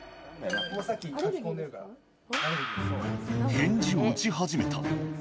返事を打ち始めた。